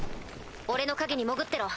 俺の影に潜ってろ。